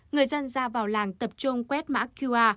người dân ra vào làng tập trung quét mã qr